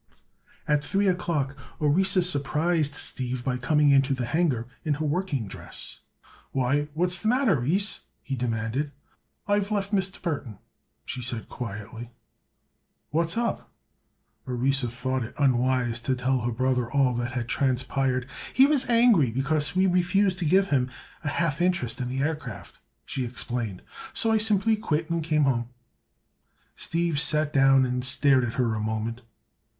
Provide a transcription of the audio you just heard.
At three o'clock Orissa surprised Steve by coming into the hangar in her working dress. "Why, what's the matter, Ris?" he demanded. "I've left Mr. Burthon," she said quietly. "What's up?" Orissa thought it unwise to tell her brother all that had transpired. "He was angry because we refused to give him a half interest in the aircraft," she explained. "So I simply quit and came home." Steve sat down and stared at her a moment.